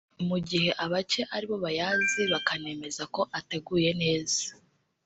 mu gihe abake ari bo bayazi bakanemeza ko ateguye neza